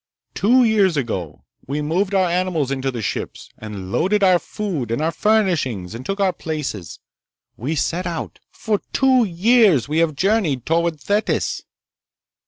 Two years ago we moved our animals into the ships, and loaded our food and our furnishings, and took our places. We set out. For two years we have journeyed toward Thetis."